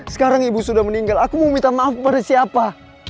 sekarang ibu sudah meninggal aku mau minta maaf kepada siapa